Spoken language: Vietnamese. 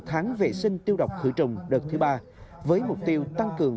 tháng vệ sinh tiêu độc khử trùng đợt thứ ba với mục tiêu tăng cường